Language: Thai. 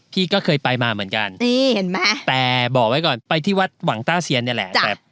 พี่ก็เคยไปมาเหมือนกันนี่เห็นไหมแต่บอกไว้ก่อนไปที่วัดหวังต้าเซียนเนี่ยแหละ